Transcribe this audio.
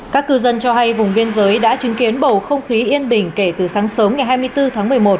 các cư dân cho hay vùng biên giới đã chứng kiến bầu không khí yên bình kể từ sáng sớm ngày hai mươi bốn tháng một mươi một